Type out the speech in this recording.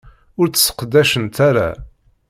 Ur tt-sseqdacent ara.